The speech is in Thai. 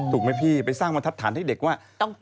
ถูกไหมพี่ไปสร้างบรรทัศน์ให้เด็กว่า